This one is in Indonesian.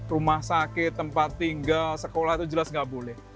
rumah sakit tempat tinggal sekolah itu jelas nggak boleh